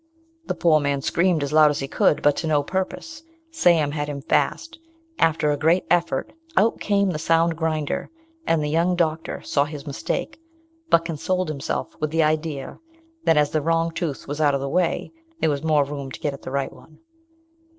The poor man screamed as loud as he could, but to no purpose. Sam had him fast. After a great effort, out came the sound grinder, and the young doctor saw his mistake; but consoled himself with the idea that as the wrong tooth was out of the way, there was more room to get at the right one.